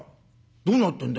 どうなってんだ。